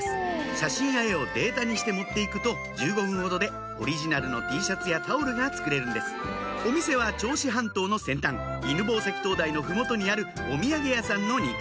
写真や絵をデータにして持って行くと１５分ほどでオリジナルのＴシャツやタオルが作れるんですお店は銚子半島の先端犬吠埼灯台の麓にあるお土産屋さんの２階